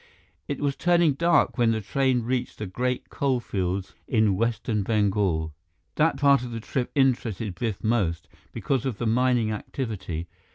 It was turning dark when the train reached the great coal fields in western Bengal. That part of the trip interested Biff most, because of the mining activity.